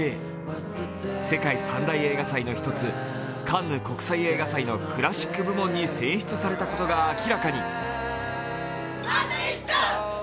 世界三大映画祭の１つ、カンヌ国際映画祭のクラシック部門に選出されたことが明らかに。